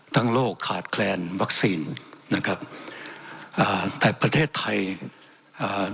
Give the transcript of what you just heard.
โรคขาดแคลนวัคซีนนะครับอ่าแต่ประเทศไทยอ่า